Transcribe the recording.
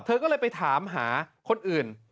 เธอก็เลยไปถามหาคนอื่น